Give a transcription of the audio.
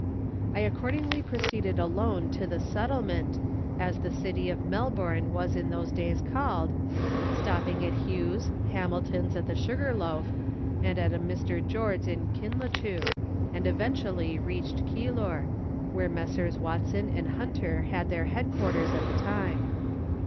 I accordingly proceeded alone to the " Settlement," as the City of Melbourne was in those days called, stopping at Hughes's, Hamilton's at the Sugar Loaf, and at a Mr. George's at Kinlochewe, and eventually reached Keilor, where Messrs. Watson and Hunter had their head quarters at the time.